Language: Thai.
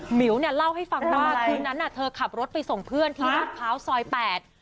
หมิวเนี่ยเล่าให้ฟังว่าคืนนั้นน่ะเธอขับรถไปส่งเพื่อนที่ราชพร้าวซอยแปด